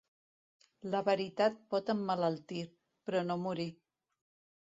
La veritat pot emmalaltir, però no morir.